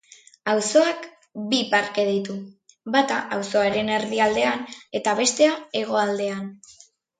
Auzoak bi parke ditu, bata auzoaren erdialdean, eta beste hegoaldean.